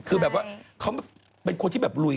คือแบบว่าเขาเป็นคนที่แบบลุย